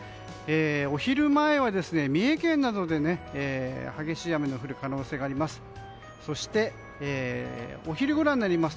お昼前は三重県などで激しい雨の降る可能性があります。